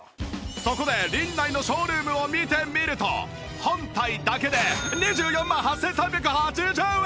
そこでリンナイのショールームを見てみると本体だけで２４万８３８０円！